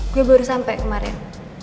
gue baru sampai kemarin